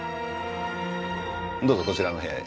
どうぞこちらの部屋へ。